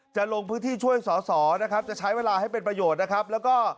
จะลงพื้นที่ช่วยสอสองจะใช้เวลาให้เป็นประโยชน์แล้วก็